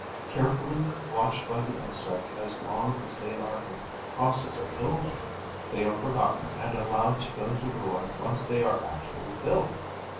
Carefully watched by the insect as long as they are in process of building, they are forgotten and allowed to go to ruin once they are actually built.